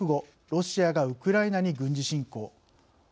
ロシアがウクライナに軍事侵攻。